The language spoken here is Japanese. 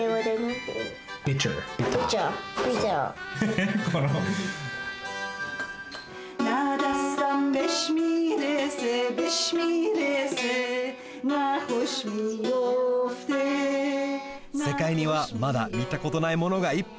せかいにはまだ見たことないものがいっぱい！